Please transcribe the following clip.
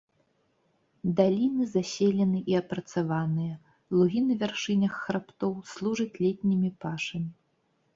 Даліны заселены і апрацаваныя, лугі на вяршынях хрыбтоў служаць летнімі пашамі.